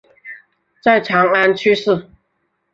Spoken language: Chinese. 在长安去世。